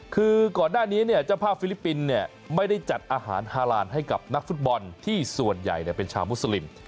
คือก่อนหน้านี้เนี่ยเจ้าภาพฟิลิปปินส์ไม่ได้จัดอาหารฮาลานให้กับนักฟุตบอลที่ส่วนใหญ่เป็นชาวมุสลิม